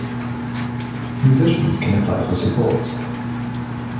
Musicians can apply for support.